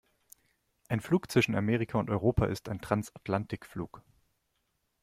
Ein Flug zwischen Amerika und Europa ist ein Transatlantikflug.